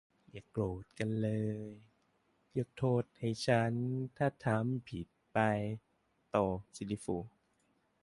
"อย่าโกรธกันเลย ยกโทษให้ฉันถ้าทำผิดไป" - โต ซิลลี่ฟูล